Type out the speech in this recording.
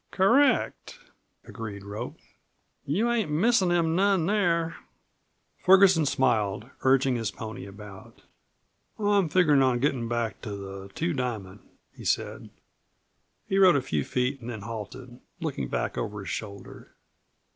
"Correct," agreed Rope. "You ain't missin' them none there." Ferguson smiled, urging his pony about. "I'm figgerin' on gettin' back to the Two Diamond," he said. He rode a few feet and then halted, looking back over his shoulder.